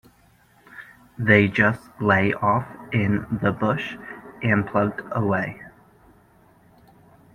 They just lay off in the bush and plugged away.